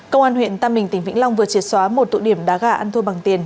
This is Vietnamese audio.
công an huyện tam bình tỉnh vĩnh long vừa triệt xóa một tụ điểm đá gà ăn thua bằng tiền